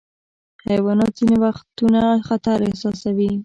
حیوانات ځینې وختونه خطر احساسوي.